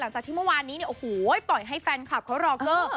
หลังจากที่เมื่อวานนี้เนี่ยโอ้โหปล่อยให้แฟนคลับเขารอเกอร์